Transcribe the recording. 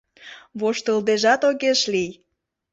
Воштылдежат огеш лий.